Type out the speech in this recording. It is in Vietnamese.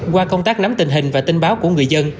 qua công tác nắm tình hình và tin báo của người dân